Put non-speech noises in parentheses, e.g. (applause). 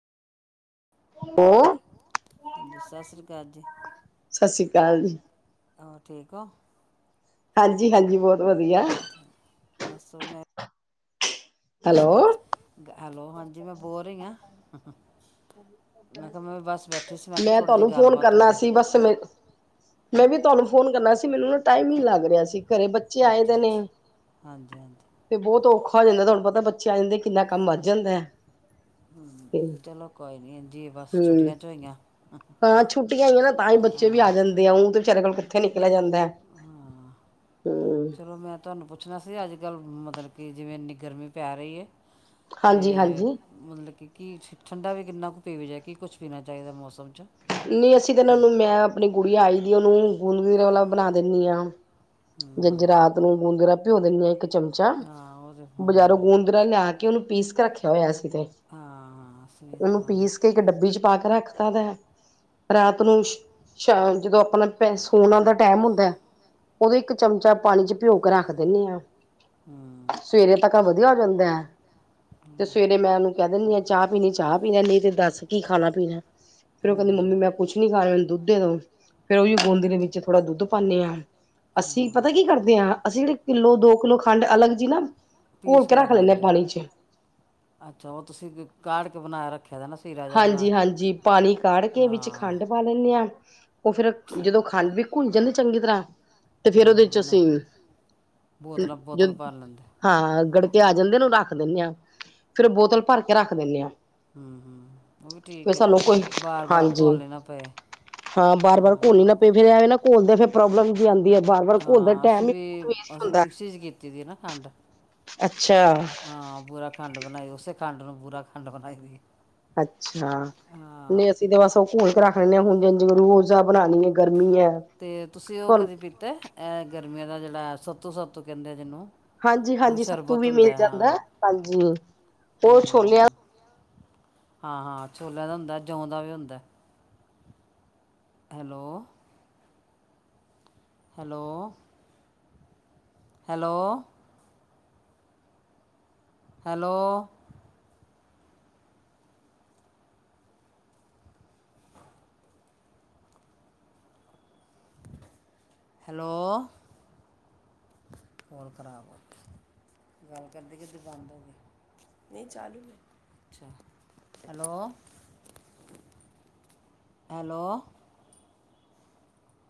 ਹੋ (unintelligible) ਹਾਂਜੀ, ਸਤਿ ਸ੍ਰੀ ਅਕਾਲ ਜੀ। ਸਤਿ ਸ਼੍ਰੀ ਅਕਾਲ। ਹੋਰ ਠੀਕ ਹੋ। ਹਾਂਜੀ ਹਾਂਜੀ ਬਹੁਤ। ਵਧੀਆ (unintelligible) ਗ ਹੈਲੋ ਹਾਂਜੀ ਮੈਂ ਬੋਲ ਰਹੀ ਹਾਂ। ਹ ਹਾਂ (inaudible) ਮੈਂ ਤੁਹਾਨੂੰ ਫੋਨ ਕਰਨਾ ਸੀ ਬਸ ਮੇਰੇ ਮੈਂ ਵੀ ਤੁਹਾਨੂੰ ਫੋਨ ਕਰਨਾ ਸੀ, ਮੈਨੂੰ ਨਾ ਟਾਈਮ ਨੀ ਲੱਗ ਰਿਹਾ ਸੀ। ਘਰੇ ਬੱਚੇ ਆਏ ਦੇ ਨੇਂ, ਤੇ ਬਹੁਤ ਔਖ ਖਾ ਹੋ ਜਾਂਦਾ, ਤੁਹਾਨੂੰ ਪਤਾ ਬੱਚੇ ਆ ਜਾਂਦੇ ਕਿੰਨਾ ਕੰਮ ਵੱਧ ਜਾਂਦਾ ਹੈ। ਹਮ ਚਲੋ ਹਮ ਹਾਂ ਛੁੱਟੀਆਂ ਹੋਈਆਂ ਨਾ, ਤਾਂ ਹੀ ਬੱਚੇ ਵੀ ਆ ਜਾਂਦੇ ਏਂ। (inaudible) ਵਿਚਾਰੇਆ ਕੋਲੋ ਕਿੱਥੇ ਨਿਕਲਿਆ ਜਾਂਦਾ ਹੈ। ਚਲੋ ਮੈਂ ਤੁਹਾਨੂੰ ਪੁ ਛਨਾ ਸੀ ਅੱਜ ਕੱਲ ਮਤਲਬ ਕਿ ਜਿਵੇਂ ਇੰਹਨੀ ਗਰਮੀ ਪੈ ਰਹੀ ਹੈ ਤੇ ਮਤਲਬ ਕਿ ਕੀਛੁ ਠੰਡਾ ਵੀ ਕਿੰਹਨਾ ਕੁ ਪੀਵੇ ਜਾਏ, ਕਿ ਕੁਛ ਪੀਨਾ ਚਾਹੀਦਾ ਮੌਸਮ ਨਹੀਂ ਅਸੀ ਤੇ ਨਾਲੇ ਮੈਂ ਆਪਣੀ ਗੁੜਿਆ ਆਈ ਦੀ ਆ ਮੇਰੀ। (unintelligible) ਨਾਲ ਬਨਾ ਦਿੰਨੀਂ ਹਾਂ। ਜਦ ਰਾਤ ਨੂੰ ਗੂੰਜਰਾ ਭਿਓਂ ਦੇਨੇਂਆਂ। ਚਮਚਾ, ਬਜਾਰੋ ਗੂੰਦਰਾ ਲਿਆ ਕੇ ਉਹਨੂੰ ਪੀਸ ਕੇ ਰੱਖਿ (unintelligible) ਤੇ ਉਹਨੂੰ ਪੀਸ ਕੇ ਇੱਕ ਡੱਬੀ ਚ ਪਾ ਕੇ ਰੱਖ ਤਾ ਦਾ ਏ। ਰਾਤ ਨੂੰ ਸ਼ ਸ਼ਾਮ ਜਦੋਂ ਆਪਨਾ ਪੈਨ, ਸੋਨੇ ਦਾ ਟੈਮ ਹੁੰਦਾ ਏ ਉਗਦੋਂ ਇੱਕ ਚਮਚਾ ਪਾਨੀ ਚ ਭਿਜੋ ਕੇ ਰੱਖ ਦਿੰਨੇਂਆਂ। ਸੁਵੇਰੇ ਤੱਕ ਇਹ ਵਧੀਆ ਹੋ ਜਾਂਦਾ। ਦਾ ਤੇ ਸਵੇਰੇ ਮੈਂ ਉਹਨੂੰ ਕਹਿ ਦਿੰਦੀ ਹਾਂ ਚਾਹ ਪੀਣੀ ਚ ਚਾਹ ਪੀਣਾ ਨਹੀਂ ਤੇ ਦੱਸ ਕੀ ਖਾਣਾ ਪੀਣਾ? ਫੇਰ ਉਹ ਕਹਿੰਦੀ ਮੰਮੀ ਮੈਂ ਕੁਛ ਨੀ ਕਰ ਰਿਹਾ। ਦੁੱਧੇ ਤੋਂ ਫੇਰ ਉਹਹੀ ਬੂੰਦੀ ਦੇ ਵਿੱਚ ਥੋੜਾ ਦੁੱਧ ਪਾਂਦੇ ਆਂ। ਅਸੀਂ ਪਤਾ ਕੀ ਕਰਦੇ ਹਾਂ ਅਸੀਂ ਜਿਹੜੇ ਕਿੱਲੋ ਦੋ ਕਿੱਲੋ ਖੰਡ ਅਲੱਗ ਜਿਹੀ ਨਾ ਘੋਲ ਕੇ ਰੱਖ ਲੈਂਦੇੇ ਹਾਂ ਪਾਣੀ ਚ ਹਾਂਜੀ ਹਾਂਜੀ ਪਾਣੀ ਕਾਢ ਕੇ ਵਿੱਚ ਖੰਡ ਪਾ ਲੈਂਦੇ ਹਾਂ। ਉਹ ਫੇਰ ਜਦੋਂ ਖਾਂ ਵੀ ਘੁੱਲ ਜਾਂਦੇ ਚੰਗੀ ਤਰ੍ਹਾਂ ਤੇ ਫੇਰ ਉਹਦੇ ਚ ਅਸੀਂ ਜ ਹਾਂ ਗੜ ਆ ਜਾਂਦੇ ਨੂੰ ਉਹ ਰੱਖ ਦਿੰਦੇ ਆਂ ਫੇਰ ਬੋਤਲ ਭਰ ਕੇ ਰੱਖ ਦਿੰਦੇ ਹਾਂ। ਹਮ ਹਮ ਉਹ ਵੀ ਠੀਕ ਹੈ ਵਾਰ ਵਾਰ ਘੋਲ ਨਾ ਪਏ ਹਾਂ। ਘੋਲਦੇ ਫਿਰ ਪ੍ਰੋਬਲਮ ਵੀ ਆਂਦੀ ਹੈ। ਹਾਂ ਅਸੀਂ ਵੀ ਅਸੀਂ ਮਿਕਸੀ ਚ ਕੀਤੀ ਦੀ ਨਾ ਖੰਡ ਹਾਂ ਪੂਰਾ ਖੰਡ ਬਣਾਈ ਖੰਡ ਨੂੰ ਬੂਰਾ ਖੰਡ ਬਣਾਈ ਸੀ। ਅੱਛਾ ਨਹੀਂ ਅਸੀਂ ਤੇ ਬਸ ਉਹ ਘੂ ਕਰਰਾ ਖਣੀਆਂ ਹੁੰਦੀਆਂ ਜ ਰੋਜ਼ਾ ਬਣਾਣੀਏ ਤੇ ਤੁਸੀਂ ਉਹ ਕਦੇ ਪੀਤਾ ਇਹ ਗਰਮ ਗਰਮੀਆਂ ਦਾ ਜਿਹੜਾ ਸੱਤੂ-ਸੱਤੂਕਹਿੰਦੇ ਜਿਨੂੰ। ਹਾਂਜੀ-ਹਾਂਜੀ ਸੱਤੂ ਵੀ ਮਿਲ ਜਾਂਦਾ ਹਾਂਜੀ ਉਹ ਛੋਲਿਆਂ ਹਾਂ-ਹਾਂ ਛੋਲਿਆਂ ਦਾ ਵੀ ਹੁੰਦਾ ਜੌ ਦਾ ਵੀ ਹੁੰਦਾ hello. Hello. Hello. Hello. Hello. ਹੋਲ ਖਰਾਬ ਆ ਗੱਲ ਕਰਦੀ ਕਿ ਬੰਦ ਹੋ ਗਏ ਨਹੀਂ ਚੂ ਹੈਲੋ ਹੈਲੋ।